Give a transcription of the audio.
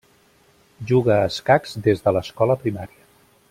Juga a escacs des de l'escola primària.